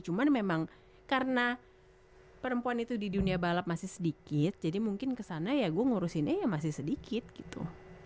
cuman memang karena perempuan itu di dunia balap masih sedikit jadi mungkin kesana ya gue ngurusin eh ya masih sedikit gitu